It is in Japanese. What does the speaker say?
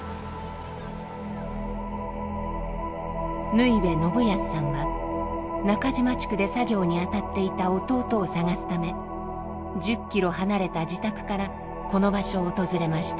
縫部正康さんは中島地区で作業に当たっていた弟を捜すため１０ｋｍ離れた自宅からこの場所を訪れました。